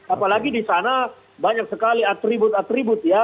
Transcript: apalagi di sana banyak sekali atribut atribut ya